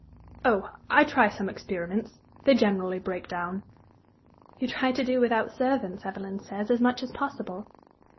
"Oh, I try some experiments. They generally break down." "You try to do without servants, Evelyn says, as much as possible."